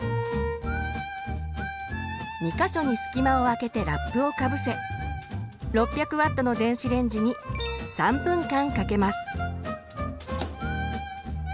２か所に隙間をあけてラップをかぶせ６００Ｗの電子レンジに３分間かけます。